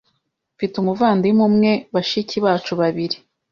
Mfite umuvandimwe umwe na bashiki bacu babiri.